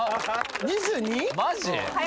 マジ？